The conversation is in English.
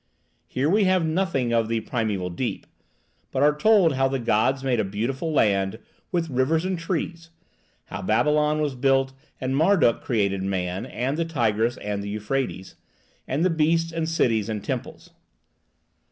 Here we have nothing of the primeval deep, but are told how the gods made a beautiful land, with rivers and trees; how Babylon was built and Marduk created man, and the Tigris and the Euphrates, and the beasts and cities and temples.